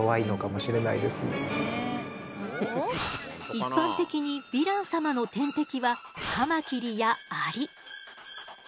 一般的にヴィラン様の天敵はカマキリやアリ。